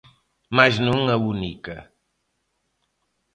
Mais non a única.